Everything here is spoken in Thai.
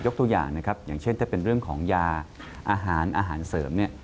ตัวอย่างนะครับอย่างเช่นถ้าเป็นเรื่องของยาอาหารอาหารเสริมเนี่ย